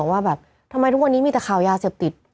ว่าแบบทำไมทุกวันนี้มีแต่ข่าวยาเสพติด